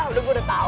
udah gue udah tau